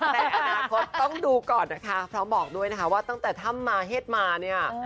แต่อนาคตต้องดูก่อนนะคะพร้อมบอกด้วยนะคะว่าตั้งแต่ถ้ำมาเฮ็ดมาเนี่ย